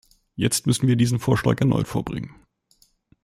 Jetzt müssen wir diesen Vorschlag erneut vorbringen.